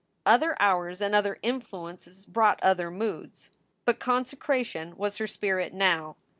Other hours and other influences brought other moods, but consecration was her spirit now.